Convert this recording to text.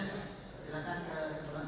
silakan ke sekolah